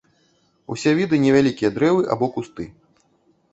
Усе віды невялікія дрэвы або кусты.